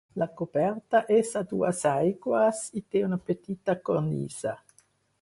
La coberta és a dues aigües i té una petita cornisa.